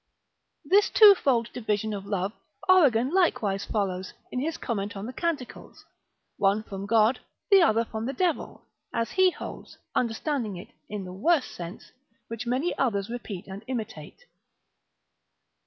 This twofold division of love, Origen likewise follows, in his Comment on the Canticles, one from God, the other from the devil, as he holds (understanding it in the worse sense) which many others repeat and imitate.